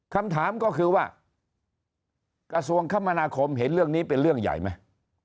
คำถามก็คือว่ากระทรวงคมนาคมเห็นเรื่องนี้เป็นเรื่องใหญ่ไหม